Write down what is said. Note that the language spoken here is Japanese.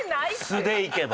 素でいけば。